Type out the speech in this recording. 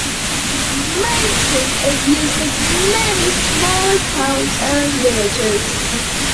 Main Street is used in many smaller towns and villages.